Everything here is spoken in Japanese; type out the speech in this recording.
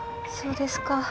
そうですか。